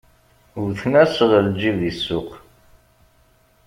Wwten-as ɣer lǧib di ssuq.